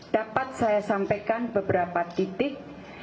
dapat saya sampaikan beberapa titik